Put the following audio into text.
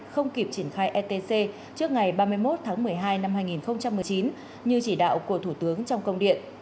không kịp triển khai etc trước ngày ba mươi một tháng một mươi hai năm hai nghìn một mươi chín như chỉ đạo của thủ tướng trong công điện